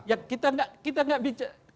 ya kita gak bicara